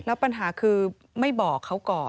แล้วปัญหาคือไม่บอกเขาก่อน